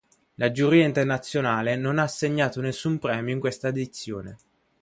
La giuria internazionale non ha assegnato nessun premio in questa edizione.